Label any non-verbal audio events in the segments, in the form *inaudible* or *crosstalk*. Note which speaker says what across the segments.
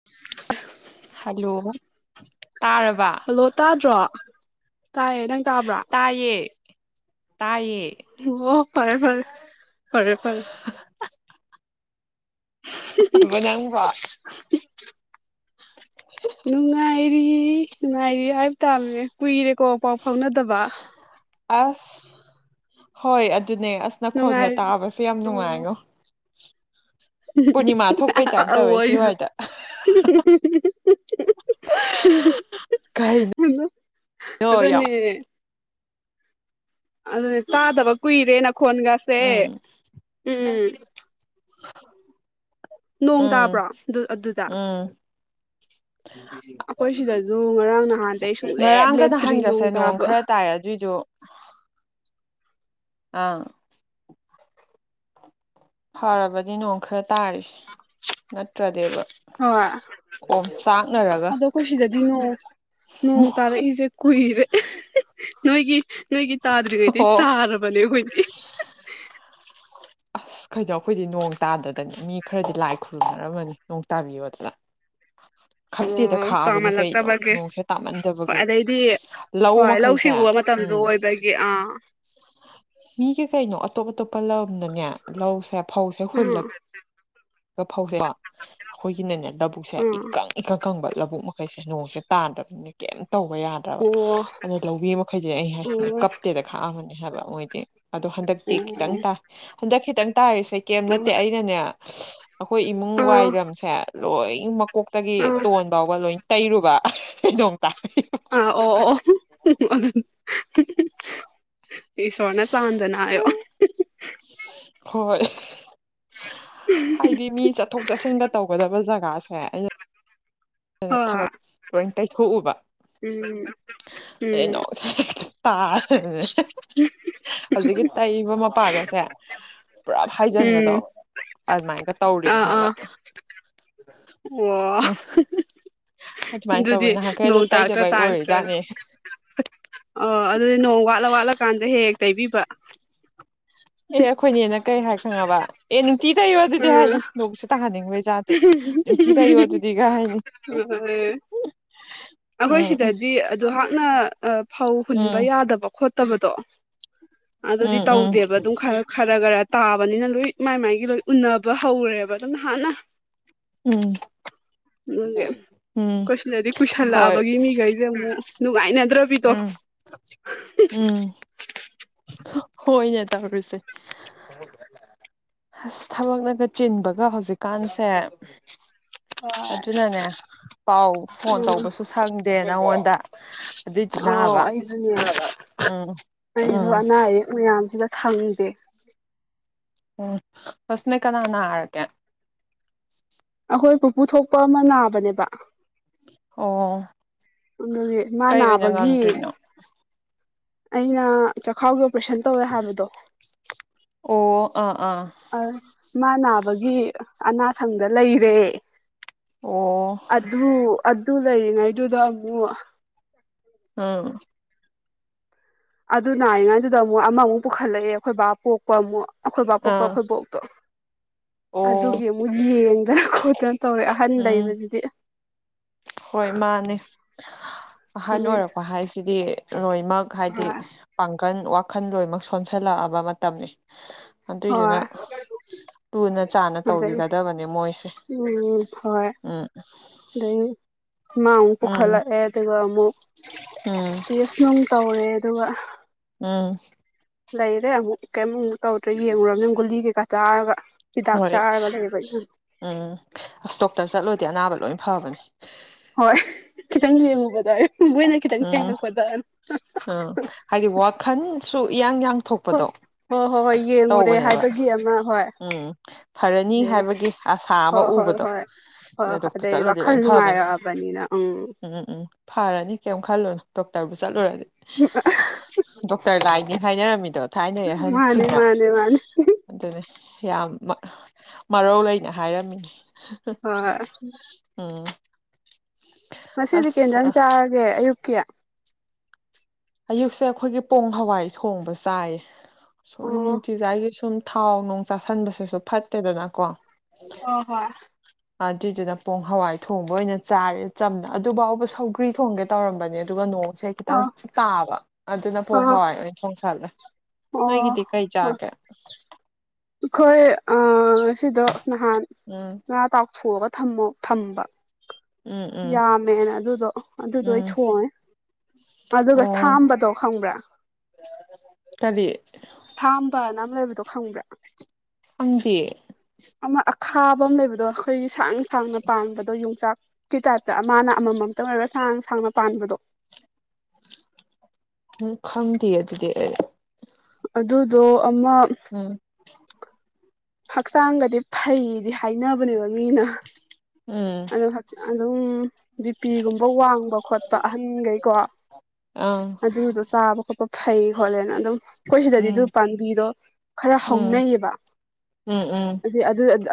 Speaker 1: *unintelligible*
Speaker 2: hello ꯇꯥꯔ
Speaker 1: hello ꯇꯥꯗ꯭ꯔꯣ ꯇꯥꯏꯌꯦ ꯅꯪ ꯇꯥꯕ꯭ꯔꯣ
Speaker 2: ꯇꯥꯢꯌꯦ ꯇꯥꯢꯌꯦ
Speaker 1: ꯑꯣ ꯐꯔꯦ ꯐꯔꯦ ꯐꯔꯦ ꯐꯔꯦ
Speaker 2: *unintelligible* ꯅꯪꯕꯣ
Speaker 1: ꯉꯥꯏꯔꯤ ꯅꯨꯡꯉꯥꯏꯔꯤ ꯍꯥꯏꯕ ꯇꯥꯕꯅꯤ ꯀꯨꯏꯔꯦꯀꯣ ꯄꯥꯎ ꯐꯥꯎꯅꯗꯕ
Speaker 2: ꯑꯁ ꯍꯣꯏ ꯑꯗꯨꯅꯦ ꯑꯁ ꯅꯈꯣꯜꯒ
Speaker 1: ꯅꯨꯡꯉꯥꯏ
Speaker 2: ꯇꯥꯕꯁꯦ ꯌꯥꯝ
Speaker 1: ꯎꯝ
Speaker 2: ꯅꯨꯡꯉꯥꯏꯉꯣ ꯄꯨꯔꯅꯤꯃꯥ ꯊꯣꯛꯄꯩ ꯇꯥꯏꯞ ꯇꯧꯋꯦ
Speaker 1: ꯑꯧ ꯑꯩꯁꯨ
Speaker 2: ꯁꯤꯋꯥꯏꯗ
Speaker 1: *unintelligible*
Speaker 2: ꯀꯩꯅꯣ
Speaker 1: *unintelligible*
Speaker 2: ꯌꯥꯝ
Speaker 1: ꯑꯗꯨꯅꯦ ꯑꯗꯨꯅꯦ ꯇꯥꯗꯕ ꯀꯨꯏꯔꯦ ꯅꯈꯣꯟꯒ
Speaker 2: ꯎꯝ
Speaker 1: ꯅꯣꯡ
Speaker 2: ꯎꯝ
Speaker 1: ꯇꯥꯕ꯭ꯔꯣ ꯑꯗꯨ ꯑꯗꯨꯗ
Speaker 2: ꯎꯝ
Speaker 1: ꯑꯩꯈꯣꯏ ꯁꯤꯗꯁꯨ ꯉꯔꯥꯡ ꯅꯍꯥꯟꯗꯒꯤ ꯁꯨꯡꯂꯦꯞ
Speaker 2: ꯉꯔꯥꯡꯒ
Speaker 1: ꯂꯦꯞꯇ꯭ꯔꯤ ꯅꯣꯡ
Speaker 2: ꯅꯍꯥꯟꯒꯁꯦ
Speaker 1: ꯇꯥꯕ
Speaker 2: ꯈꯔ ꯇꯥꯏ ꯑꯗꯨꯏꯗꯣ ꯑꯪ ꯐꯔꯕꯅꯝ ꯅꯣꯡ ꯈꯔ ꯇꯥꯔꯤꯁꯦ ꯅꯠꯇ꯭ꯔꯗꯤꯕ
Speaker 1: ꯍꯣꯏ
Speaker 2: ꯑꯣꯝ ꯆꯥꯛꯅꯔꯒ
Speaker 1: ꯑꯗꯣ ꯑꯩꯈꯣꯏ ꯁꯤꯗꯗꯤ ꯅꯣꯡ ꯅꯣꯡ ꯇꯥꯔꯛꯏꯁꯦ ꯀꯨꯏꯔꯦ *unintelligible* ꯅꯣꯏꯒꯤ ꯅꯣꯏꯒꯤ ꯇꯥꯗ꯭ꯔꯤꯉꯩꯗꯒꯤ
Speaker 2: ꯑꯣ
Speaker 1: ꯇꯥꯔꯕꯅꯦ ꯑꯩꯈꯣꯏꯗꯤ
Speaker 2: ꯑꯁ ꯀꯩꯅꯣ ꯑꯩꯈꯣꯏꯗꯤ ꯅꯣꯡ ꯇꯥꯗꯗꯅ ꯃꯤ ꯈꯔꯗꯤ ꯂꯥꯏ ꯈꯨꯔꯨꯝꯅꯔꯝꯃꯅꯤ ꯅꯣꯡ ꯇꯥꯕꯤꯌꯣꯗꯅ
Speaker 1: *unintelligible*
Speaker 2: ꯈꯞꯇꯦꯗ
Speaker 1: ꯑꯣ
Speaker 2: ꯈꯥꯛꯑꯕꯅꯤ ꯀꯩꯅꯣ
Speaker 1: ꯇꯥꯃꯜꯂꯛꯇꯕꯒꯤ
Speaker 2: ꯅꯣꯡꯁꯦ
Speaker 1: ꯍꯣꯏ
Speaker 2: ꯇꯥꯃꯟꯗꯕꯒꯤ
Speaker 1: ꯑꯗꯩꯗꯤ ꯍꯣꯏ ꯂꯧ
Speaker 2: ꯃꯈꯩꯁꯦ
Speaker 1: ꯁꯤꯡꯎꯕ ꯃꯇꯝꯁꯨ
Speaker 2: ꯎꯝ
Speaker 1: ꯑꯣꯏꯕ *unintelligible* ꯑ
Speaker 2: ꯃꯤꯒꯤ ꯀꯩꯅꯣ ꯑꯇꯣꯞ ꯑꯇꯣꯞꯄ ꯂꯝꯗꯅꯦ ꯂꯧꯁꯦ ꯐꯧꯁꯦ
Speaker 1: ꯑꯥ ꯑꯥ
Speaker 2: ꯍꯨꯜꯂꯒ ꯐꯧꯗꯣ ꯑꯩꯈꯣꯏꯒꯤꯅꯅꯦ ꯂꯧꯕꯨꯛꯁꯦ ꯏꯀꯪ ꯏꯀꯪ ꯀꯪꯕ ꯂꯧꯕꯨꯛ *unintelligible* ꯅꯣꯡꯁꯦ ꯇꯥꯗ꯭ꯔꯕꯅꯤꯅ ꯀꯩꯝ ꯇꯧꯕ ꯌꯥ *unintelligible*
Speaker 1: ꯑꯣ ꯑꯣ ꯑꯣ ꯑꯣ
Speaker 2: ꯑꯗꯅ ꯂꯧꯃꯤ ꯃꯈꯩꯁꯦ ꯑꯩ
Speaker 1: ꯑꯥ
Speaker 2: ꯍꯥꯏꯁꯤꯅꯦ ꯀꯞꯇꯦꯗ ꯈꯥꯛꯑꯃꯅꯤ ꯍꯥꯏꯕ ꯃꯣꯏꯗꯤ ꯑꯗꯣ ꯍꯟꯗꯛꯇꯤ ꯈꯤꯇꯪ ꯇꯥꯏ ꯍꯟꯗꯛ ꯈꯤꯇꯪ ꯇꯥꯔꯤꯁꯦ ꯀꯩꯝ ꯅꯠꯇꯦ ꯑꯩꯅꯅꯦ ꯑꯩꯈꯣꯏ ꯏꯃꯨꯡ
Speaker 1: ꯑꯥ
Speaker 2: ꯋꯥꯏꯔꯝꯁꯦ ꯂꯣꯏ ꯃꯀꯣꯛꯇꯒꯤ ꯇꯣꯟ ꯐꯥꯎꯕ ꯂꯣꯏ ꯇꯩꯔꯨꯕ *unintelligible* ꯅꯣꯡ ꯇꯥꯔꯛ *unintelligible*
Speaker 1: ꯑꯥ ꯑꯣ ꯑꯣ *unintelligible* ꯏꯁꯣꯔꯅ ꯆꯥꯟꯗꯅ ꯍꯥꯏꯌꯣ
Speaker 2: ꯍꯣꯏ ꯍꯥꯏꯗꯤ ꯃꯤ ꯆꯠꯊꯣꯛ ꯆꯠꯁꯤꯟꯒ ꯇꯧꯒꯗꯕ ꯖꯒꯥꯁꯦ ꯑꯩꯅ ꯑꯗꯨ
Speaker 1: ꯍꯣꯏ
Speaker 2: ꯊꯕꯛ ꯂꯣꯏ ꯇꯩꯊꯣꯛꯎꯕ
Speaker 1: ꯎꯝ ꯎꯝ
Speaker 2: *unintelligible* ꯇꯥꯗꯅꯅꯦ ꯍꯧꯖꯤꯛꯀꯤ ꯇꯩꯕ ꯃꯄꯥꯒꯁꯦ ꯄꯨꯂꯞ ꯍꯥꯏꯖꯤꯟꯕꯗꯣ
Speaker 1: ꯎꯝ
Speaker 2: ꯑꯗꯨꯃꯥꯏꯅꯒ ꯇꯧꯔꯤꯅꯦ
Speaker 1: ꯑꯥ
Speaker 2: ꯍꯥꯏꯕ
Speaker 1: ꯑꯥ ꯑꯣ
Speaker 2: *unintelligible* ꯑꯗꯨꯃꯥꯏꯅ ꯇꯧꯋꯦ
Speaker 1: ꯑꯗꯨꯗꯤ
Speaker 2: ꯅꯍꯥꯟꯈꯩ ꯑꯗꯨ
Speaker 1: ꯅꯣꯡ ꯇꯥꯔꯛꯇ꯭ꯔꯥ
Speaker 2: ꯇꯩꯗꯕꯩ
Speaker 1: ꯇꯥꯔꯛꯇ꯭ꯔꯥ
Speaker 2: ꯑꯣꯏꯔꯤꯖꯥꯠꯅꯦ
Speaker 1: ꯑꯣ ꯑꯗꯨꯗꯤ ꯅꯣꯡ ꯋꯥꯠꯂ ꯋꯥꯠꯂꯀꯥꯟꯗ ꯍꯦꯛ ꯍꯦꯛ ꯇꯩꯕꯤꯕ
Speaker 2: ꯑꯦ ꯑꯩꯈꯣꯏ ꯅꯦꯅ ꯀꯩ ꯍꯥꯏ ꯈꯪꯉꯕ ꯑꯦ ꯅꯨꯡꯇꯤ ꯇꯩꯌꯣ ꯑꯗꯨꯗꯤ
Speaker 1: ꯎꯝ
Speaker 2: ꯍꯥꯏꯅꯤ ꯅꯣꯡꯁꯨ ꯇꯥꯍꯟꯅꯤꯡꯕꯩꯖꯥꯗꯤ ꯅꯨꯡꯇꯤ ꯇꯩꯌꯣ ꯑꯗꯨꯗꯤꯒ ꯍꯥꯏꯅꯤ
Speaker 1: *unintelligible* ꯑꯩꯈꯣꯏ
Speaker 2: ꯎꯝ ꯎꯝ
Speaker 1: ꯁꯤꯗꯗꯤ ꯑꯗꯨꯍꯥꯛꯅ ꯑ ꯐꯧ ꯍꯨꯟꯕ
Speaker 2: ꯎꯝ
Speaker 1: ꯌꯥꯗꯕ ꯈꯣꯠ ꯐꯠꯇꯕꯗꯣ ꯑꯗꯨꯗꯤ
Speaker 2: ꯎꯝ ꯎꯝ
Speaker 1: ꯇꯧꯗꯦꯕ ꯑꯗꯨꯝ ꯈꯔ ꯈꯔ ꯈꯔ ꯇꯥꯕꯅꯤꯅ ꯂꯣꯏ ꯃꯥꯏ ꯃꯥꯏꯒꯤ ꯂꯣꯏ ꯎꯟꯅꯕ ꯍꯧꯔꯦꯕ ꯑꯗꯨꯝ ꯅꯍꯥꯟꯅ
Speaker 2: ꯎꯝ
Speaker 1: ꯑꯩꯈꯣꯏ ꯁꯤꯗꯗꯤ
Speaker 2: ꯍꯣꯏ
Speaker 1: ꯀꯨꯏꯁꯜꯂꯛꯑꯕꯒꯤ ꯃꯤꯈꯩꯁꯦ ꯑꯃꯨꯛ ꯅꯨꯡꯉꯥꯏꯅꯗ꯭ꯔꯕꯤꯗꯣ
Speaker 2: ꯎꯝ ꯎꯝ ꯍꯣꯏꯅꯦ ꯇꯧꯔꯤꯁꯦ ꯑꯁ ꯊꯕꯛꯅꯒ ꯆꯤꯟꯕꯒ ꯍꯧꯖꯤꯛꯀꯥꯟꯁꯦ ꯑꯗꯨꯅꯅꯦ ꯄꯥꯎ ꯐꯣꯟ
Speaker 1: ꯎꯝ
Speaker 2: ꯇꯧꯕꯁꯨ ꯁꯪꯗꯦ ꯅꯪꯉꯣꯟꯗ ꯑꯗꯨꯏꯗꯤ
Speaker 1: ꯑꯥꯎ
Speaker 2: ꯅꯥꯕ
Speaker 1: ꯑꯩꯁꯨꯅꯦ
Speaker 2: ꯎꯝ
Speaker 1: ꯑꯩꯁꯨ
Speaker 2: ꯎꯝ
Speaker 1: ꯑꯅꯥ ꯑꯌꯦꯛ ꯃꯌꯥꯝꯁꯤꯗ ꯁꯪꯗꯦ
Speaker 2: ꯑꯣ ꯑꯁ ꯅꯣꯏ ꯀꯅꯥ ꯅꯥꯔꯒ‌ꯦ
Speaker 1: ꯑꯈꯣꯏ ꯄꯨꯄꯨ ꯊꯣꯛꯄ ꯑꯃ ꯅꯥꯕꯅꯦꯕ
Speaker 2: ꯑꯣ
Speaker 1: ꯑꯗꯨꯒꯤ ꯃꯥ
Speaker 2: ꯀꯩ ꯑꯣꯏꯅ
Speaker 1: ꯅꯥꯕꯒꯤ
Speaker 2: ꯉꯝꯗ꯭ꯔꯤꯅꯣ
Speaker 1: ꯑꯩꯅ ꯆꯈꯥꯎꯒꯤ ꯑꯣꯄ꯭ꯔꯦꯁꯟ ꯇꯧꯋꯦ ꯍꯥꯏꯕꯗꯣ
Speaker 2: ꯑꯣ ꯑꯥ ꯑꯥ
Speaker 1: ꯑ ꯃꯥ ꯅꯥꯕꯒꯤ ꯑꯅꯥꯁꯪꯗ ꯂꯩꯔꯦ
Speaker 2: ꯑꯣ
Speaker 1: ꯑꯗꯨ ꯑꯗꯨ ꯂꯩꯔꯤꯉꯩꯗꯨꯗ ꯑꯃꯨꯛ
Speaker 2: ꯑꯝ
Speaker 1: ꯑꯗꯨ ꯅꯥꯔꯤꯉꯩꯗꯨꯗ ꯑꯃꯨꯛ ꯑꯃꯃꯨꯛ ꯄꯨꯈꯠꯂꯛꯑꯦ ꯑꯈꯣꯏ ꯕꯥ ꯄꯣꯛꯄ ꯑꯃꯨꯛ ꯑꯈꯣꯏ ꯕꯥ ꯄꯣꯛꯄ
Speaker 2: ꯑꯥ
Speaker 1: ꯑꯈꯣꯏ ꯕ‌ꯣꯛ
Speaker 2: ꯑꯣ
Speaker 1: ꯑꯗꯨꯒꯤ ꯑꯃꯨꯛ ꯌꯦꯡꯗꯅ ꯈꯣꯠꯇꯅ ꯇꯧꯔꯦ ꯑꯍꯟ
Speaker 2: ꯎꯝ
Speaker 1: ꯂꯩꯕꯁꯤꯗꯤ
Speaker 2: ꯍꯣꯏ ꯃꯥꯟꯅꯦ ꯑꯍꯟ
Speaker 1: ꯑꯗꯩ
Speaker 2: ꯑꯣꯏꯔꯛꯄ ꯍꯥꯏꯁꯤꯗꯤ ꯂꯣꯏꯃꯛ ꯍꯥꯏꯗꯤ
Speaker 1: ꯍꯣꯏ
Speaker 2: ꯄꯥꯡꯒꯟ ꯋꯥꯈꯟ ꯂꯣꯏꯃꯛ ꯁꯣꯟꯁꯜꯂꯛꯑꯕ ꯃꯇꯝꯅꯤ ꯑꯗꯨꯏꯗꯨꯅ
Speaker 1: ꯍꯣꯏ
Speaker 2: ꯂꯨꯅ ꯆꯥꯟꯅ
Speaker 1: ꯑꯗꯩ
Speaker 2: ꯇꯧꯕꯤꯒꯗꯕꯅꯦ ꯃꯣꯏꯁꯦ
Speaker 1: ꯎꯝ ꯍꯣꯏ
Speaker 2: ꯎꯝ
Speaker 1: ꯑꯗꯩ ꯃꯥ ꯑꯃꯨꯛ
Speaker 2: ꯎꯝ
Speaker 1: ꯄꯨꯈꯠꯂꯛꯑꯦ ꯑꯗꯨꯒ ꯑꯃꯨꯛ
Speaker 2: ꯎꯝ
Speaker 1: ꯇꯦꯁ ꯅꯨꯡ ꯇꯧꯔꯦ ꯑꯗꯨꯒ
Speaker 2: ꯎꯝ
Speaker 1: ꯂꯩꯔꯦ ꯑꯃꯨꯛ ꯀꯩꯝ ꯑꯃꯨꯛ ꯇꯧꯗ꯭ꯔꯦ ꯌꯦꯡꯉꯨꯔꯕꯅꯤꯅ ꯒꯨꯂꯤ ꯀꯩꯀꯥ ꯆꯥꯔꯒ ꯍꯤꯗꯥꯛ
Speaker 2: ꯍꯣꯏ
Speaker 1: ꯆꯥꯔ ꯂꯩꯕ ꯑꯩꯅ ꯑꯃꯨꯛ
Speaker 2: ꯎꯝ ꯑꯁ ꯗꯣꯛꯇꯔ ꯆꯠꯂꯨꯔꯗꯤ ꯑꯅꯥꯕ ꯂꯣꯏꯅ ꯐꯕꯅꯤ
Speaker 1: ꯍꯣꯏ ꯈꯤꯇꯪ ꯌꯦꯡꯉꯨꯕꯗ ꯃꯣꯏꯅ ꯈꯤꯇꯪ
Speaker 2: ꯎꯝ
Speaker 1: ꯊꯦꯡꯉꯛꯄꯗ
Speaker 2: ꯎꯝ ꯍꯥꯏꯗꯤ ꯋꯥꯈꯟꯁꯨ ꯏꯌꯥꯡ ꯌꯥꯡ
Speaker 1: ꯍꯣꯏ
Speaker 2: ꯊꯣꯛꯄꯗꯣ
Speaker 1: ꯍꯣꯏ ꯍꯣꯏ ꯍꯣꯏ ꯌꯦꯡꯉꯨꯔꯦ
Speaker 2: ꯇꯧꯕꯅꯦꯕ
Speaker 1: ꯍꯥꯏꯕꯒꯤ ꯑꯃ ꯍꯣꯏ
Speaker 2: ꯎꯝ ꯐꯔꯅꯤ
Speaker 1: ꯑꯗꯩ
Speaker 2: ꯍꯥꯏꯕꯒꯤ ꯑꯁꯥ ꯑꯃ
Speaker 1: ꯍꯣꯏ ꯍꯣꯏ
Speaker 2: ꯎꯕꯗꯣ
Speaker 1: ꯍꯣꯏ ꯍꯣꯏ
Speaker 2: ꯑꯗ
Speaker 1: ꯍꯣꯏ
Speaker 2: ꯗꯣꯛꯇꯔ
Speaker 1: ꯑꯗꯩ
Speaker 2: ꯆꯠꯂꯗꯤ
Speaker 1: ꯋꯥꯈꯜ
Speaker 2: ꯂꯣꯏ ꯐꯕꯅꯤ
Speaker 1: ꯅꯨꯡꯉꯥꯏꯔꯛꯑꯕꯅꯤꯅ
Speaker 2: ꯎꯝ ꯎꯝ ꯐꯔꯅꯤ ꯀꯩꯝ ꯈꯜꯂꯨꯅ ꯗꯣꯛꯇꯔꯕꯨ ꯆꯠꯂꯨꯔꯗꯤ
Speaker 1: *unintelligible*
Speaker 2: ꯗꯣꯛꯇꯔ ꯂꯥꯏꯅꯤ ꯍꯥꯏꯅꯔꯝꯃꯤꯗꯣ ꯊꯥꯏꯅꯩ
Speaker 1: ꯃꯥꯅꯦ
Speaker 2: ꯑꯍꯟꯁꯤꯡꯅ
Speaker 1: ꯃꯥꯅꯦ ꯃꯥꯅꯦ
Speaker 2: ꯑꯗꯨꯅꯦ ꯌꯥꯝ ꯃ ꯃꯔꯧ ꯂꯩꯅ ꯍꯥꯏꯔꯝꯃꯤꯅꯦ
Speaker 1: ꯍꯣꯏ
Speaker 2: ꯎꯝ
Speaker 1: ꯉꯁꯤꯗꯤ ꯀꯩ ꯏꯟꯖꯥꯡ
Speaker 2: ꯑꯁ
Speaker 1: ꯆꯥꯔꯒꯦ ꯑꯌꯨꯛꯀꯤ
Speaker 2: ꯑꯌꯨꯛꯁꯦ ꯈꯣꯏꯒꯤ ꯄꯣꯡ ꯍꯋꯥꯏ ꯊꯣꯡꯕ ꯆꯥꯏꯌꯦ ꯁꯨꯝ
Speaker 1: ꯑꯣ
Speaker 2: ꯅꯨꯡꯇꯤꯖꯥꯏꯒꯤ ꯁꯨꯝ ꯊꯥꯎ ꯅꯨꯡ ꯆꯥꯥꯁꯟꯕꯁꯤꯁꯨ ꯐꯠꯇꯦꯗꯅꯀꯣ
Speaker 1: ꯍꯣ ꯍꯣꯏ
Speaker 2: ꯑꯗꯨꯏꯗꯨꯅ ꯄꯣꯡ ꯍꯋꯥꯏ ꯊꯣꯡꯕ ꯑꯣꯏꯅ ꯆꯥꯔꯦ ꯆꯝꯅ ꯑꯗꯨꯐꯥꯎꯕ ꯁꯧꯒ꯭ꯔꯤ ꯊꯣꯡꯒ‌ꯦ ꯇꯧꯔꯝꯕꯅꯦ ꯑꯗꯨꯒ ꯅꯣꯡꯁꯦ
Speaker 1: ꯑ
Speaker 2: ꯈꯤꯇꯪ ꯇꯥꯕ ꯑꯗꯨꯅ
Speaker 1: ꯑ
Speaker 2: ꯄ‍ꯣꯡ
Speaker 1: ꯑꯣ
Speaker 2: ꯍꯋꯥꯏ ꯑꯣꯏꯅ ꯊꯣꯡꯁꯜꯂꯦ ꯅꯣꯏꯒꯤꯗꯤ ꯀꯩꯆꯥꯒꯦ
Speaker 1: ꯑꯈꯣꯏ ꯑꯥ ꯉꯁꯤꯗꯣ ꯅꯍꯥꯟ
Speaker 2: ꯎꯝ
Speaker 1: ꯉꯥ ꯇꯥꯎꯊꯣꯛꯑꯒ ꯊꯝꯃꯣ ꯊꯝꯕ
Speaker 2: ꯎꯝ ꯎꯝ
Speaker 1: ꯌꯥꯝꯃꯦꯅ ꯑꯗꯨꯗꯣ ꯑꯗꯨꯗꯣ ꯑꯣꯏ
Speaker 2: ꯎꯝ
Speaker 1: ꯊꯣꯡꯉꯦ ꯑꯗꯨꯒ
Speaker 2: ꯑꯣ
Speaker 1: ꯁꯥꯝꯕꯗꯣ ꯈꯪꯕ꯭ꯔꯥ
Speaker 2: ꯀꯔꯤ
Speaker 1: ꯁꯥꯝꯕꯅ ꯑꯃ ꯂꯩꯕꯗꯣ ꯈꯪꯕ꯭ꯔꯥ
Speaker 2: ꯈꯪꯗꯤꯌ‍ꯦ
Speaker 1: ꯑꯃ ꯑꯈꯥꯕ ꯑꯃ ꯂꯩꯕꯗꯣ ꯈꯣꯏꯒꯤ ꯁꯥꯡꯅ ꯁꯥꯡꯅ ꯄꯥꯟꯕꯗꯣ ꯌꯣꯡꯆꯥꯛ ꯀꯤ ꯇꯥꯏꯞꯇ ꯃꯥꯅ ꯑꯃꯃꯝꯇꯪ ꯑꯣꯏꯔꯒ ꯁꯥꯡ ꯁꯥꯡꯅ ꯄꯥꯟꯕꯗꯣ
Speaker 2: ꯍꯝ ꯈꯪꯗꯤꯌꯦ ꯗꯨꯗꯤ ꯑꯩ
Speaker 1: ꯑꯗꯨꯗꯣ ꯑꯃ
Speaker 2: ꯎꯝ
Speaker 1: ꯍꯛꯆꯥꯡꯒꯗꯤ ꯐꯩꯗꯤ ꯍꯥꯏꯅꯕꯅꯦꯕ ꯃꯤꯅ
Speaker 2: ꯎꯝ
Speaker 1: ꯑꯣ ꯑꯗꯨꯝ ꯕꯤꯄꯤꯒꯨꯝꯕ ꯋꯥꯡꯕ ꯈꯣꯠꯄ ꯑꯍꯟꯒꯩꯀꯣ
Speaker 2: ꯑꯥ
Speaker 1: ꯑꯗꯨꯗꯣ ꯆꯥꯕ ꯈꯣꯠꯄ ꯐꯩ ꯈꯣꯠꯂꯦꯅ ꯑꯗꯨꯝ ꯑꯩꯈꯣꯏ ꯁꯤꯗꯗꯤ ꯑꯗꯨ
Speaker 2: ꯎꯝ
Speaker 1: ꯄꯥꯝꯕꯤꯗꯣ ꯈꯔ
Speaker 2: ꯎꯝ
Speaker 1: ꯍꯧꯅꯩꯌꯦꯕ
Speaker 2: ꯎꯝ ꯎꯝ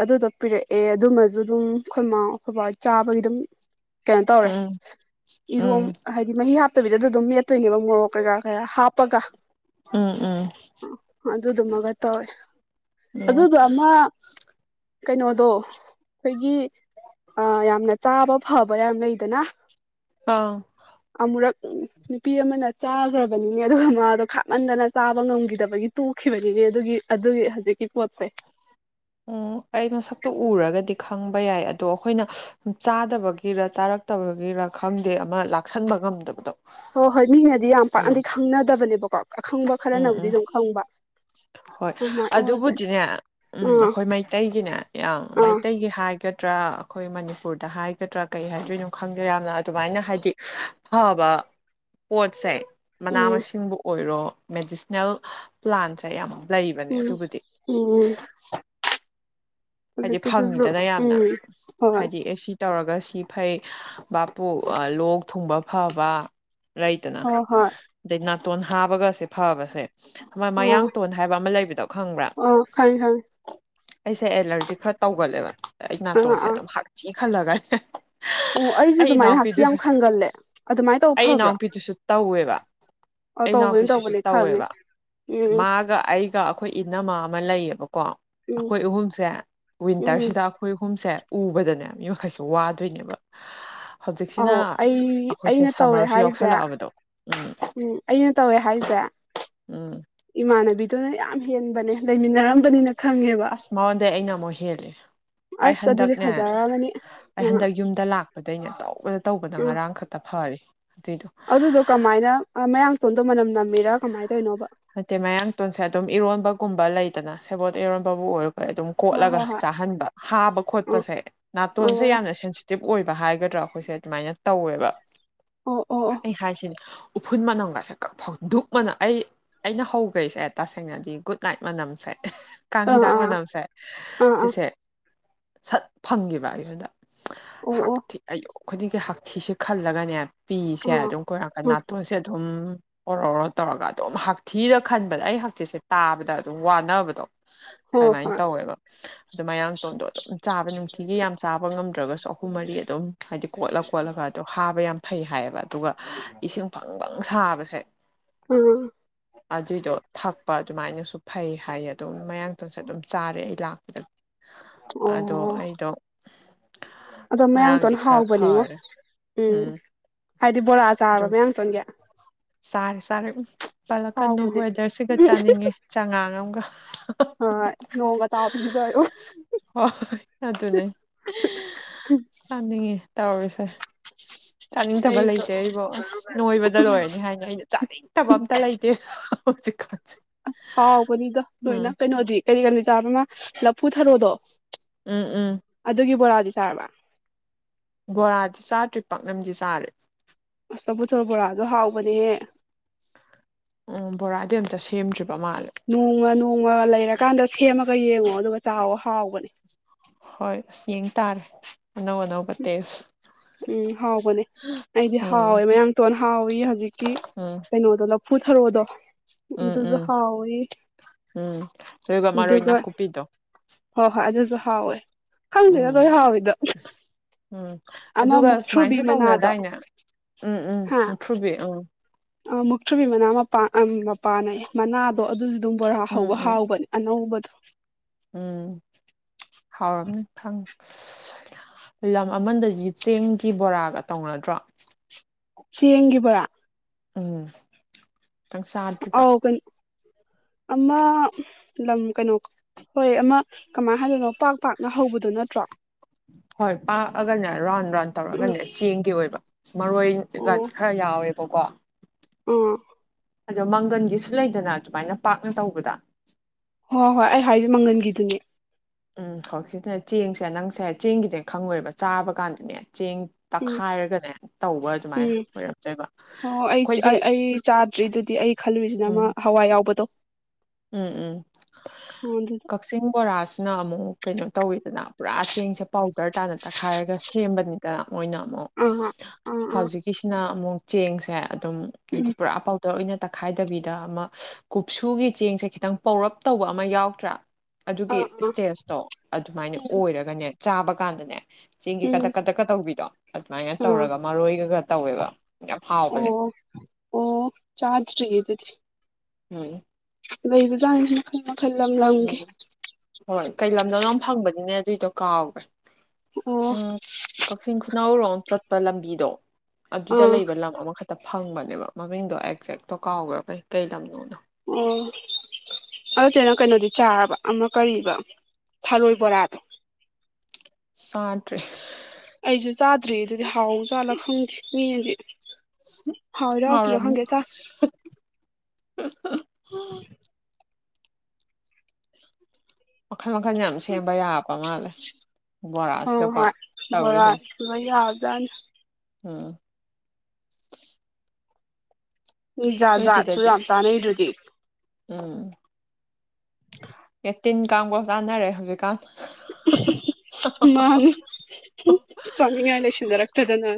Speaker 1: ꯑꯗꯨꯗꯣ ꯄꯤꯔꯛꯑꯦ ꯑꯗꯨꯃꯁꯨ ꯑꯗꯨꯝ ꯑꯩꯈꯣꯏꯃꯥꯎ ꯑꯩꯐꯣꯏꯕ ꯆꯥꯕꯒꯤ ꯑꯗꯨꯝ ꯀꯩꯅꯣ ꯇꯧꯔꯦ
Speaker 2: ꯎꯝ
Speaker 1: ꯏꯔꯣꯝ
Speaker 2: ꯎꯝ
Speaker 1: ꯍꯥꯏꯗꯤ ꯃꯍꯤ ꯍꯥꯞꯇꯕꯤꯗ ꯑꯗꯨꯝ ꯃꯦꯠꯇꯣꯏꯅꯦꯕ ꯃꯣꯔꯣꯛ ꯀꯩꯀꯥ ꯀꯩꯔꯥ ꯍꯥꯞꯄꯒ
Speaker 2: ꯎꯝ
Speaker 1: ꯑꯗꯨꯗꯨꯃꯒ ꯇꯧꯋꯦ
Speaker 2: ꯎꯝ ꯎꯝ
Speaker 1: ꯑꯗꯨꯗꯣ ꯑꯃ ꯀꯩꯅꯣꯗꯣ ꯑꯩꯈꯣꯏꯒꯤ ꯌꯥꯝꯅ ꯆꯥꯕ ꯐꯥꯕ ꯌꯥꯝꯅ ꯂꯩꯗꯅ
Speaker 2: ꯑꯥ
Speaker 1: ꯑꯃꯨꯔꯛ ꯅꯨꯄꯤ ꯑꯃꯅ ꯆꯥꯒ꯭ꯔꯕꯅꯤꯅꯦ ꯑꯗꯨꯒ ꯃꯥꯗꯣ ꯈꯥꯞꯃꯟꯗꯅ ꯆꯥꯕ ꯉꯝꯈꯤꯗꯕꯒꯤ ꯇꯣꯛꯈꯤꯕꯅꯤꯅꯦ ꯑꯗꯨꯒꯤ ꯑꯗꯨꯒꯤ ꯍꯧꯖꯤꯛꯀꯤ ꯄꯣꯠꯁꯦ
Speaker 2: ꯎꯝ ꯑꯩ ꯃꯁꯛꯇꯣ ꯎꯔꯒꯗꯤ ꯈꯪꯕ ꯌꯥꯏ ꯑꯗꯣ ꯑꯩꯈꯣꯏꯅ ꯆꯥꯗꯕꯒꯤꯔ ꯆꯥꯔꯛ ꯐꯠꯇꯕꯒꯤꯔꯥ ꯈꯪꯗꯦ ꯑꯃ ꯂꯥꯛꯁꯟꯕ ꯉꯝꯗꯕꯗꯣ
Speaker 1: ꯍꯣꯏ ꯍꯣꯏ ꯃꯤꯅꯗꯤ ꯌꯥꯝ
Speaker 2: ꯎꯝ
Speaker 1: ꯄꯥꯛꯑꯗꯤ ꯈꯪꯅꯗꯕꯅꯦꯕꯀꯣ ꯑꯈꯪꯕ
Speaker 2: ꯎꯝ
Speaker 1: ꯈꯔꯅꯕꯨꯗꯤ
Speaker 2: ꯎꯝ
Speaker 1: ꯑꯗꯨꯝ ꯈꯪꯕ
Speaker 2: ꯍꯣꯏ
Speaker 1: ꯑꯗꯨꯃꯥꯏꯅ ꯑꯣꯏꯕꯅꯦ
Speaker 2: ꯑꯗꯨꯕꯨꯗꯤꯅꯦ ꯎꯝ
Speaker 1: ꯑꯥ
Speaker 2: ꯑꯩꯈꯣꯏ ꯃꯩꯇꯩꯒꯤꯅꯦ
Speaker 1: ꯑꯥ
Speaker 2: ꯃꯩꯇꯩꯒꯤ ꯍꯥꯏꯒꯗ꯭ꯔꯥ ꯑꯩꯈꯣꯏ ꯃꯅꯤꯄꯨꯔꯗ ꯍꯥꯏꯒꯗ꯭ꯔꯥ ꯀꯩ ꯍꯥꯏꯗꯣꯏꯅꯣ ꯈꯪꯗꯦ ꯌꯥꯝꯅ ꯑꯗꯨꯃꯥꯏꯅ ꯍꯥꯏꯗꯤ ꯐꯕ ꯄꯣꯠꯁꯦ ꯃꯅꯥ
Speaker 1: ꯎꯝ
Speaker 2: ꯃꯁꯤꯡꯕꯨ ꯑꯣꯏꯔꯣ ꯃꯦꯗꯤꯁꯅꯦꯜ ꯄ꯭ꯂꯥꯟꯁꯦ ꯌꯥꯝ ꯂꯩꯕꯅꯦ
Speaker 1: ꯎꯝ
Speaker 2: ꯑꯗꯨꯕꯨꯗꯤ
Speaker 1: ꯎꯝ
Speaker 2: ꯍꯥꯏꯗꯤ
Speaker 1: ꯍꯧꯖꯤꯛꯀꯤꯗꯨꯁꯨ
Speaker 2: ꯐꯪꯉꯤꯗꯅ ꯌꯥꯝꯅ
Speaker 1: ꯎꯝ ꯍꯣꯏ
Speaker 2: ꯍꯥꯏꯗꯤ ꯑꯦ ꯁꯤ ꯇꯧꯔꯒ ꯁꯤ ꯐꯩ ꯚꯕꯥꯄꯨ ꯂꯣꯛ ꯊꯨꯡꯕ ꯐꯕ ꯂꯩꯗꯅ
Speaker 1: ꯍꯣꯏ ꯍꯣꯏ
Speaker 2: ꯑꯗꯩ ꯅꯥꯇꯣꯟ ꯍꯥꯞꯕꯒꯁꯦ ꯐꯕꯁꯦ ꯑꯃ
Speaker 1: ꯑꯥ
Speaker 2: ꯃꯌꯥꯡꯇꯣꯟ ꯍꯥꯏꯕ ꯑꯃ ꯂꯩꯕꯗꯣ ꯈꯪꯕ꯭ꯔꯥ
Speaker 1: ꯑꯥ ꯈꯪꯉꯦ
Speaker 2: ꯑꯩꯁꯦ ꯑꯦꯂꯔꯖꯤ ꯁꯤ ꯈꯔ ꯇꯧꯒꯜꯂꯦꯕ ꯑꯩ
Speaker 1: ꯈꯪꯉꯦ
Speaker 2: ꯅꯥꯇꯣꯟꯁꯦ
Speaker 1: ꯑꯥ ꯑꯥ
Speaker 2: ꯑꯗꯨꯝ ꯍꯊꯤ ꯈꯜꯂꯒꯅꯦ
Speaker 1: ꯑꯣ ꯑꯩꯁꯨ
Speaker 2: ꯑꯩ
Speaker 1: ꯑꯗꯨꯃꯥꯏꯅ ꯍꯛꯊꯤ ꯌꯥꯝ
Speaker 2: ꯏꯅꯥꯎꯄꯤꯗꯨꯁꯨ
Speaker 1: ꯈꯟꯒꯜꯂꯦ ꯑꯗꯨꯃꯥꯏꯅ ꯇꯧꯕ
Speaker 2: ꯑꯩ
Speaker 1: ꯐꯕ꯭ꯔꯥ
Speaker 2: ꯏꯅꯥꯎꯅꯨꯄꯤꯗꯨꯁꯨ ꯇꯧꯋꯦꯕ
Speaker 1: ꯑ
Speaker 2: ꯑꯩ
Speaker 1: ꯇꯧꯕꯅꯤ
Speaker 2: ꯏꯅꯥꯎꯄꯤꯁꯤꯁꯨ
Speaker 1: ꯇꯧꯕꯅꯤ ꯈꯪꯉꯦ
Speaker 2: ꯇꯧꯋꯦꯕ
Speaker 1: ꯎꯝ
Speaker 2: ꯃꯥꯒ ꯑꯩꯒ ꯑꯩꯈꯣꯏ ꯏꯅꯃ ꯑꯃ ꯂꯩꯌꯦꯕꯀꯣ
Speaker 1: ꯎꯝ
Speaker 2: ꯑꯩꯈꯣꯏ ꯑꯍꯨꯝꯁꯦ
Speaker 1: ꯎꯝ
Speaker 2: ꯋꯤꯟꯇꯔꯁꯤꯗ ꯑꯩꯈꯣꯏ ꯑꯍꯨꯝꯁꯦ ꯎꯕꯗꯅꯦ ꯃꯤ ꯃꯈꯩꯁꯨ ꯋꯥꯗꯣꯏꯅꯦꯕ ꯍꯧꯖꯤꯛꯁꯤꯅ
Speaker 1: ꯑꯧ ꯑꯩ
Speaker 2: ꯑꯩꯈꯣꯏꯁꯦ
Speaker 1: ꯑꯩꯅ ꯇꯧꯋꯦ
Speaker 2: ꯁꯝꯃꯔꯁꯨ
Speaker 1: ꯍꯥꯏꯁꯦ
Speaker 2: ꯌꯥꯎꯁꯜꯂꯛꯑꯕꯗꯣ ꯎꯝ
Speaker 1: ꯎꯝ ꯑꯩꯅ ꯇꯧꯋꯦ ꯍꯥꯏꯁꯦ
Speaker 2: ꯎꯝ
Speaker 1: ꯏꯃꯥꯟꯅꯕꯤꯗꯨꯅ ꯌꯥꯝ ꯍꯦꯟꯕꯅꯦ ꯂꯩꯃꯤꯟꯅꯔꯝ
Speaker 2: ꯑꯁ ꯃꯉꯣꯟꯗꯩ ꯑꯩꯅ ꯑꯃꯨꯛ ꯍꯦꯜꯂꯤ ꯑꯩ
Speaker 1: ꯑꯁ ꯑꯗꯨꯗꯤ
Speaker 2: ꯍꯟꯗꯛꯅꯦ
Speaker 1: ꯐꯖꯔꯝꯃꯅꯤ
Speaker 2: ꯑꯩ
Speaker 1: ꯎꯝ
Speaker 2: ꯍꯟꯗꯛ ꯌꯨꯝꯗ ꯂꯥꯛꯄꯗꯩꯅ ꯇꯧꯕꯗ ꯇꯧꯕꯗ
Speaker 1: ꯎꯝ
Speaker 2: ꯉꯔꯥꯡ ꯈꯛꯇ ꯐꯔꯤ ꯑꯗꯨꯏꯗꯣ
Speaker 1: ꯑꯗꯨꯗꯣ ꯀꯃꯥꯏꯅ ꯃꯌꯥꯡꯊꯣꯟꯗꯣ ꯃꯅꯝ ꯅꯝꯃꯤꯔꯥ ꯀꯃꯥꯏꯅ ꯇꯧꯔꯤꯅꯣꯕ
Speaker 2: ꯍꯥꯏꯠꯇꯦ ꯃꯌꯥꯡ ꯇꯣꯟꯁꯦ ꯑꯗꯨꯝ ꯏꯔꯣꯟꯕꯒꯨꯝꯕ ꯂꯩꯗꯅ ꯁꯦꯕꯣꯠ ꯏꯔꯣꯟꯕꯕꯨ ꯑꯣꯏꯔ ꯍꫭꯏ ꯑꯗꯨꯝ
Speaker 1: ꯍꯣꯏ
Speaker 2: ꯀꯣꯠꯂꯒ
Speaker 1: ꯍꯣꯏ ꯍꯣꯏ
Speaker 2: ꯆꯥꯍꯟꯕ ꯍꯥꯕ
Speaker 1: ꯑꯣ
Speaker 2: ꯈꯣꯠꯄꯁꯦ
Speaker 1: ꯑꯣ
Speaker 2: ꯅꯥꯇꯣꯟꯁꯦ ꯌꯥꯝꯅ ꯤꯞ ꯑꯣꯏꯕ ꯍꯥꯏꯒꯗ꯭ꯔꯥ ꯑꯩꯈꯣꯏꯁꯦ ꯑꯗꯨꯃꯥꯏꯅ ꯇꯧꯋꯦꯕ
Speaker 1: ꯑꯣ ꯑꯣ ꯑꯣ
Speaker 2: ꯑꯩ ꯍꯥꯏꯁꯤꯅꯦ ꯎꯐꯨꯟ ꯃꯅꯝꯒꯁꯦ ꯀ ꯐ ꯙꯛꯃꯅ ꯑꯩ ꯑꯩꯅ ꯍꯧꯈꯔꯤꯁꯦ ꯇꯁꯦꯡꯅꯗꯤ ꯒꯨꯗ ꯅꯥꯏꯠ ꯃꯅꯝꯁꯦ ꯀꯥꯡ
Speaker 1: ꯑꯥ
Speaker 2: ꯍꯤꯗꯥꯛ
Speaker 1: ꯑꯥ
Speaker 2: ꯃꯅꯝꯁꯦ
Speaker 1: ꯑꯥ ꯑꯥ
Speaker 2: ꯁꯤꯁꯦ ꯁꯠ ꯐꯪꯈꯤꯕ ꯑꯩꯉꯣꯟꯗ
Speaker 1: ꯑꯣ
Speaker 2: ꯍꯥꯛꯇꯤ ꯑꯌꯛ ꯈꯨꯗꯤꯡꯒꯤ ꯍꯛꯊꯤꯁꯦ ꯈꯜꯂꯒꯅꯦ ꯄꯤꯁꯦ ꯑꯗꯨꯝ ꯑꯩꯈꫭꯏꯔꯀ ꯅꯥꯇꯣꯟꯁꯦ ꯑꯗꯨꯝ ꯑꯣꯔꯣ ꯑꯣꯔꯣ ꯇꯧꯔꯒ ꯑꯗꯨꯝ ꯍꯥ ꯊꯤꯔ ꯈꯟꯕꯗ ꯑꯩ ꯍꯛꯆꯦꯠꯁꯦ ꯇꯥꯕꯗ ꯑꯗꯨꯝ ꯋꯥꯅꯕꯗꯣ ꯑꯗꯨꯃꯥꯏꯅ ꯇꯧꯋꯦꯕ
Speaker 1: INAUDIBLE
Speaker 2: ꯑꯗꯨ ꯃꯌꯥꯡꯇꯣꯟꯗꯣ ꯑꯗꯨꯝ ꯆꯥꯕ ꯅꯨꯡꯇꯤꯒꯤ ꯌꯥꯝ ꯆꯥꯕ ꯉꯝꯗ꯭ꯔꯒꯁꯨ ꯑꯍꯨꯝ ꯃꯔꯤ ꯑꯗꯨꯝ ꯍꯥꯏꯗꯤ ꯀꯣꯠꯂ ꯀꯣꯠꯂꯒ ꯑꯗꯨꯣ ꯍꯥꯕ ꯌꯥꯝ ꯐꯩ ꯍꯥꯏꯌꯦꯕ ꯑꯗꯨꯒ ꯏꯁꯤꯡ ꯐꯪ ꯐꯪ ꯁꯥꯕꯁꯦ
Speaker 1: ꯎꯝ
Speaker 2: ꯑꯗꯨꯏꯗꯣ ꯊꯛꯄ ꯑꯗꯨꯃꯥꯏꯅꯁꯨ ꯐꯩ ꯍꯥꯏꯌꯦ ꯑꯗꯨꯝ ꯃꯌꯥꯡꯇꯪꯁꯨ ꯑꯗꯨꯝ ꯆꯥꯔꯦ ꯑꯩ ꯂꯥꯛꯄꯗꯗꯒꯤ ꯑꯗꯣ
Speaker 1: ꯑꯣ
Speaker 2: ꯑꯩꯗꯣ
Speaker 1: ꯑꯗꯣ
Speaker 2: ꯉꯔꯥꯡꯗꯤ
Speaker 1: ꯃꯌꯥꯡꯇꯣꯟ
Speaker 2: ꯈꯔ
Speaker 1: ꯍꯥꯎꯕꯅꯤꯉꯣ
Speaker 2: ꯐꯔꯦ
Speaker 1: ꯎꯝ ꯍꯥꯏꯗꯤ ꯕꯣꯔꯥ ꯆꯥꯔꯕ
Speaker 2: ꯑꯗꯨꯝ
Speaker 1: ꯃꯌꯥꯡꯇꯣꯟꯒꯤ
Speaker 2: ꯆꯥꯔꯦ ꯆꯥꯔꯦ ꯄꯜꯂꯛꯀꯅꯨ
Speaker 1: ꯍꯥꯎꯕꯅꯦ
Speaker 2: ꯋꯦꯗꯔꯁꯤꯒ ꯆꯥꯅꯤꯡꯉꯦ ꯆꯉꯥꯡ ꯑꯃꯒ
Speaker 1: ꯑ ꯅꯣꯡꯒ ꯇꯥꯎꯁꯤꯗꯣ
Speaker 2: ꯍꯣꯏ ꯍꯣꯏ ꯑꯗꯨꯅꯦ ꯆꯥꯅꯤꯡꯉꯦ ꯇꯧꯔꯤꯁꯦ ꯆꯥꯅꯤꯡꯗꯕ
Speaker 1: ꯑꯩꯗꯣ
Speaker 2: ꯂꯩꯇꯦ ꯑꯩꯕꯨꯣ ꯑꯁ ꯅꯣꯏꯕꯗ ꯂꯣꯏꯔ ꯀ ꯍꯥꯏꯅꯤ ꯑꯩꯅꯣ ꯆꯥꯅꯤꯡꯗꯕ ꯑꯝꯇ ꯂꯩꯇꯦ ꯍꯧꯖꯤꯛꯀꯥꯟꯁꯦ
Speaker 1: ꯑꯁ ꯍꯥꯎꯒꯅꯤꯗ
Speaker 2: ꯎꯝ
Speaker 1: ꯂꯣꯏꯅ ꯀꯩꯅꯣꯗꯤ ꯀꯔꯤ ꯀꯖꯥꯕꯃ ꯂꯐꯨꯊꯔꯣꯗꯣ
Speaker 2: ꯎꯝ ꯎꯝ
Speaker 1: ꯑꯗꯨꯒꯤ ꯕꯣꯔꯥꯗꯤ ꯆꯥꯔꯕ
Speaker 2: ꯕꯣꯔꯥꯗꯤ ꯆꯥꯗ꯭ꯔꯤ ꯄꯥꯛꯅꯝꯗꯤ ꯆꯥꯔꯦ
Speaker 1: ꯑꯁꯇ ꯂꯐꯨꯊꯔꫭ ꯕꯣꯔꯥꯁꯨ ꯍꯥꯎꯕꯅꯦꯍꯦ
Speaker 2: ꯑꯣ ꯕꯣꯔꯥꯗꯤ ꯑꯝꯇ ꯁꯦꯝꯗ꯭ꯔꯤꯕ ꯃꯥꯜꯂꯦ
Speaker 1: ꯅꯣꯡꯉ ꯅꯣꯡꯉ ꯂꯩꯔꯀꯥꯟꯗ ꯁꯦꯝꯃꯒ ꯌꯦꯡꯉꯣ ꯑꯗꯨꯒ ꯆꯥꯎꯕ ꯍꯥꯎꯕꯅꯤ
Speaker 2: ꯍꯣꯏ ꯑꯁ ꯌꯦꯡ ꯇꯥꯔꯦ ꯑꯅꯧ ꯑꯅꯧꯕ ꯇꯦꯁ
Speaker 1: ꯎꯝ ꯍꯥꯎꯕꯅꯦ ꯑꯩꯗꯤ ꯍꯥꯎꯋꯦ
Speaker 2: ꯎꯝ
Speaker 1: ꯃꯌꯥꯡꯇꯣꯟ ꯍꯥꯎꯋꯤ ꯍꯧꯖꯤꯛꯀꯤ
Speaker 2: ꯎꯝ
Speaker 1: ꯀꯩꯅꯣꯗꯣ ꯂꯧ ꯐꯨ ꯊꯔꯑꯣꯗꯣ
Speaker 2: ꯎꯝ
Speaker 1: ꯑꯗꯨꯁꯨ
Speaker 2: ꯎꯝ
Speaker 1: ꯍꯥꯎꯑꯣ
Speaker 2: ꯎꯝ ꯑꯗꯨꯒ ꯃꯔꯣꯏ
Speaker 1: ꯑꯗꯨꯒꯒ
Speaker 2: ꯅꯥꯀꯨꯞꯄꯤꯗꯣ
Speaker 1: ꯍꯣꯏ ꯍꯣꯏ ꯑꯗꯨꯁꯨ ꯍꯥꯎꯋꯦ ꯈꯪꯗꯦꯅ
Speaker 2: ꯎꯝ
Speaker 1: ꯂꯣꯏ ꯍꯥꯎꯋꯤꯗꯣ
Speaker 2: ꯎꯝ
Speaker 1: ꯑꯃ
Speaker 2: ꯑꯗꯨꯒ
Speaker 1: ꯃꯨꯛꯊ꯭ꯔꯨꯕꯤ
Speaker 2: ꯁꯨꯃꯥꯏꯁꯨ
Speaker 1: ꯃꯅꯥꯗꯣ
Speaker 2: ꯇꯧꯅꯗꯥꯏꯅꯦ ꯎꯝ ꯎꯝ ꯃꯨꯊ꯭ꯔꯨꯕꯤ ꯎꯝ
Speaker 1: ꯑ ꯃꯨꯛꯊꯨꯕꯤ ꯃꯅꯥ ꯃꯄꯥ ꯃꯄꯥꯥꯟꯅꯩ ꯃꯅꯥꯗꯣ ꯑꯗꯨꯁꯨ ꯑꯗꯨꯝ ꯕꯣꯔꯥ
Speaker 2: ꯎꯝ
Speaker 1: ꯍꯧꯕ
Speaker 2: ꯎꯝ
Speaker 1: ꯍꯥꯎꯕꯅꯦ ꯑꯅꯕꯣ
Speaker 2: ꯎꯝ ꯍꯥꯎꯔꯝꯅꯤ ꯈꯪ ꯂꯝ ꯑꯃꯗꯗꯤ ꯆꯦꯡꯒꯤ ꯕꯣꯔꯥꯒ ꯇꯧꯅꯗ꯭ꯔꯣ
Speaker 1: ꯆꯦꯡꯒꯤꯕꯣꯔꯥ
Speaker 2: ꯎꯝ ꯈꯤꯇꯪ ꯆꯥꯗ꯭ꯔꯤꯕ
Speaker 1: ꯑꯥꯎ ꯀꯩꯅꯣ ꯑꯃ ꯂꯝ ꯀꯩꯅꯣ ꯍꯣꯏ ꯑꯃ ꯀꯃꯥꯏꯅ ꯍꯥꯏꯗꯣꯏꯅꯣ ꯄꯥꯛ ꯄꯥꯛꯅ ꯍꯧꯕꯗꯨꯣ ꯅꯠꯇ꯭ꯔꯣ
Speaker 2: ꯍꯣꯏ ꯄꯥꯛꯑꯒꯅꯦ ꯔꯥꯎꯟ ꯔꯥꯎꯟ
Speaker 1: ꯎꯝ
Speaker 2: ꯇꯧꯔꯒꯅꯦ ꯆꯦꯡꯒꯤ ꯑꯣꯏꯕ ꯃꯔꯣꯏꯒ
Speaker 1: ꯑꯣ
Speaker 2: ꯈꯔ ꯌꯥꯎꯋꯦꯕꯀꯣ
Speaker 1: ꯎꯝ
Speaker 2: ꯑꯗꯣ ꯃꯪꯒꯟꯒꯤꯁꯨ ꯂꯩꯗꯅ ꯑꯗꯨꯃꯥꯏꯅ ꯄꯥꯛꯅ ꯇꯧꯕꯗ
Speaker 1: ꯍꯣꯏ ꯍꯣꯏ ꯑꯩ ꯍꯥꯏꯁꯦ ꯃꯪꯒꯟꯒꯤꯗꯨꯅꯦ
Speaker 2: ꯎꯝ ꯍꯧꯖꯤꯛ ꯁꯤꯅ ꯆꯦꯡꯁꯦ ꯅꯪꯁꯦ ꯆꯦꯡꯒꯤꯗꯤ ꯈꯪꯉꯣꯏꯕ ꯆꯥꯕ ꯀꯥꯟꯗꯅꯦ ꯆꯦꯡ
Speaker 1: ꯎꯝ
Speaker 2: ꯇꯛꯈꯥꯏꯔꯒꯅꯦ ꯇꯧꯕ ꯑꯗꯨꯃꯥꯏꯅ
Speaker 1: ꯎꯝ
Speaker 2: ꯑꯣꯏꯔꯝꯆꯩꯕ
Speaker 1: ꯑꯣ ꯑꯩ
Speaker 2: ꯑꯩꯈꯣꯏꯒꯤ
Speaker 1: ꯑꯩ ꯆꯥꯗ꯭ꯔꯤ ꯑꯗꯨꯗꯤ ꯑꯩ ꯈꯜꯂꯨꯏꯁꯤꯅ ꯑꯃ
Speaker 2: ꯎꯝ
Speaker 1: ꯍꯋꯥꯏ ꯌꯥꯎꯕꯗꯣ
Speaker 2: ꯎꯝ ꯎꯝ
Speaker 1: ꯑꯗꯨꯗꯣ
Speaker 2: ꯀ ꯀꯛꯆꯤꯡ ꯕꯣꯔꯥꯁꯤꯅ ꯑꯃꯨꯛ ꯀꯩꯅꯣ ꯇꯧꯋꯤꯗꯅ ꯄꯨꯔꯥ ꯆꯦꯡꯁꯦ ꯄꯥꯎꯗꯔ ꯇꯥꯅ ꯇꯛꯈꯥꯏꯔꯒ ꯁꯦꯝꯕꯅꯤ ꯀ ꯑꯣꯏꯅ ꯑꯃꯨꯛ
Speaker 1: ꯑ ꯑ ꯑ
Speaker 2: ꯀꯁꯤꯅ ꯑꯃꯨꯛ ꯆꯦꯡꯁꯦ ꯑꯗꯨꯝ ꯍꯥꯏꯗꯤ
Speaker 1: ꯎꯝ
Speaker 2: ꯄꯨꯔꯥ ꯄꯥꯎ ꯇꯅ ꯇꯛꯈꯥꯏꯗꯕꯤꯗ ꯑꯃ ꯀꯨꯞꯁꯨꯒꯤ ꯆꯦꯡꯁꯦ ꯈꯤꯇꯪ ꯄꯧꯔꯞ ꯇꯧꯕ ꯑꯃ ꯌꯥꯎꯗ꯭ꯔꯥ
Speaker 1: ꯑꯥ
Speaker 2: ꯑꯗꯨꯒꯤ
Speaker 1: ꯑꯥ
Speaker 2: ꯏꯁꯇꯦꯖꯇꯣ ꯑꯗꯨꯃꯥꯏꯅ
Speaker 1: ꯎꯝ
Speaker 2: ꯑꯣꯏꯔꯒꯅꯦ ꯆꯥꯕ ꯀꯥꯟꯗꯅꯦ ꯆꯦꯡꯒꯤ
Speaker 1: ꯎꯝ
Speaker 2: ꯀꯊꯛ ꯀꯊꯛꯀ ꯇꯧꯕꯤꯗꯣ ꯑꯗꯨꯃꯥꯏꯅ
Speaker 1: ꯑꯥ
Speaker 2: ꯇꯧꯔꯒ ꯃꯔꯣꯏꯒꯒ ꯇꯧꯋꯦꯕ ꯌꯥꯝ ꯍꯥꯎꯕꯅꯦ
Speaker 1: ꯑꯣ ꯑꯣ ꯆꯥꯗꯔꯤ ꯑꯗꯨꯗꯤ
Speaker 2: ꯎꯝ
Speaker 1: ꯂꯩꯕꯖꯥꯠꯁ ꯃꯈꯜ ꯃꯈꯜ ꯂꯝ ꯂꯝꯒꯤꯦ
Speaker 2: ꯎꯝ ꯍꯣꯏ ꯀꯩ ꯂꯝꯗꯣꯗ ꯐꯪꯕꯅꯤꯅꯦ ꯑꯗꯨꯏꯗꯣ ꯀꯥꯎꯈ꯭ꯔꯦ
Speaker 1: ꯑꯣ
Speaker 2: ꯎꯝ ꯀꯥꯛꯆꯤꯡ ꯈꯨꯅꯥꯎꯔꯣꯝ ꯆꯠꯄ ꯂꯝꯕꯤꯗꯣ ꯑꯗꯨꯗ
Speaker 1: ꯑꯥ
Speaker 2: ꯂꯩꯕ ꯂꯝ ꯑꯃꯈꯛ ꯇ ꯐꯪꯕꯅꯦꯕ ꯃꯃꯤꯡꯗꯣ ꯑꯦꯛꯖꯦꯛꯇꯣ ꯀꯥꯥꯥꯎꯒ꯭ꯔꯥꯕꯩ ꯀꯩ ꯂꯝꯅꯣꯗꯣ
Speaker 1: ꯑꯣ ꯑꯗꯨꯆꯦ ꯅꯪ ꯀꯩꯅꯣꯗꯤ ꯆꯥꯔꯕ ꯑꯃ ꯀꯔꯤꯕ ꯊꯔꯣꯏ ꯕꯣꯔꯥꯗꯣ
Speaker 2: ꯆꯥꯗꯔꯤ
Speaker 1: ꯑꯩꯖꯨ ꯆꯥꯗ꯭ꯔꯤ ꯑꯗꯨꯗꯤ ꯍꯥꯎꯖꯥꯠꯂ ꯈꯪꯗꯦ ꯃꯤꯅꯗꯤ ꯍꯥꯎꯏꯔ ꯍꯥꯎꯇꯔꯤꯔꯥ
Speaker 2: ꯍꯥꯎꯔꯝꯅꯤ
Speaker 1: ꯈꯪꯗꯦ ꯆꯥ
Speaker 2: ꯃꯈꯜ ꯃꯈꯜ ꯌꯥꯝ ꯁꯦꯝꯕ ꯌꯥꯕ ꯃꯥꯜꯂꯦ
Speaker 1: ꯍꯣꯏ
Speaker 2: ꯕꯣꯔꯥꯁꯤꯗꯀꯣ
Speaker 1: ꯍꯣꯏ ꯕꯣꯔꯥ
Speaker 2: ꯇꯧꯔꯤꯁꯦ
Speaker 1: ꯂꯣꯏ ꯌꯥꯕꯖꯥꯠꯅꯤ
Speaker 2: ꯎꯝ
Speaker 1: ꯃꯤ ꯖꯥꯠ ꯖꯥꯠꯁꯨ
Speaker 2: ꯅꯣꯏꯗꯨꯗꯗꯤ
Speaker 1: ꯌꯥꯝ ꯆꯥꯅꯩ ꯗꯨꯗꯤ
Speaker 2: ꯎꯝ ꯑꯦ ꯇꯤꯟ ꯀꯥꯡꯕꯧ ꯆꯥꯟꯅꯔꯦ ꯍꯧꯖꯤꯛꯀꯥꯟ
Speaker 1: ꯃꯥꯟꯅꯤ ꯆꯥꯅꯤꯉꯥꯏ ꯂꯩꯁꯤꯟꯅꯔꯛꯇꯗ ꯅ